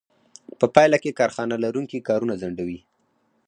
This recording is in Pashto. په پایله کې کارخانه لرونکي کارونه ځنډوي